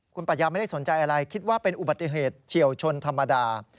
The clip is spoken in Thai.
คุณปัญญาไม่ได้สนใจอะไรคิดว่าเป็นอุบัติเหตุเฉียวชนธรรมดา